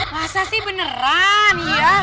masa sih beneran iya